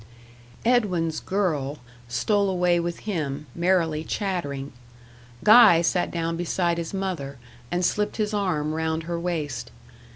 "Edwin's girl" stole away with him, merrily chattering. Guy sat down beside his mother, and slipped his arm round her waist.